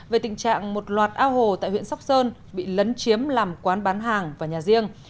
về tình trạng một loạt ao hồ tại huyện sóc sơn bị lấn chiếm làm quán bán hàng và nhà riêng